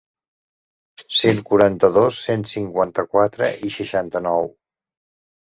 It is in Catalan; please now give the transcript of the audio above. Cent quaranta-dos, cent cinquanta-quatre i seixanta-nou.